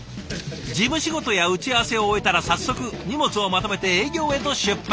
事務仕事や打ち合わせを終えたら早速荷物をまとめて営業へと出発。